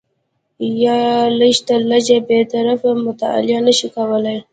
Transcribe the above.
یا لږ تر لږه بې طرفه مطالعه نه شي کولای